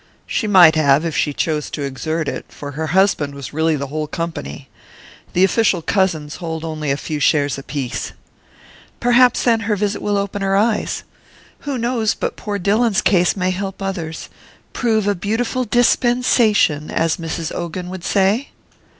"She might have, if she chose to exert it, for her husband was really the whole company. The official cousins hold only a few shares apiece." "Perhaps, then, her visit will open her eyes. Who knows but poor Dillon's case may help others prove a beautiful dispensation, as Mrs. Ogan would say?"